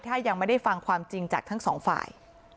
ถ้ายังไม่ได้ฟังความจริงจากทั้งสองฝ่าย